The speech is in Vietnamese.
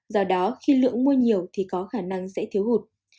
do đó khi lượng mua nhiều thì có khả năng sẽ thiếu hụt